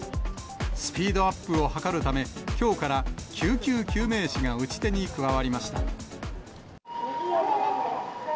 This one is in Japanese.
スピードアップを図るため、きょうから、救急救命士が打ち手に加わりました。